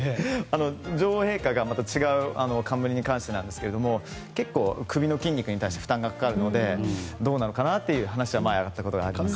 女王陛下がまた違う冠に関してですが結構、首の筋肉に対して負担がかかるのでどうなのかなっていう話は前にありました。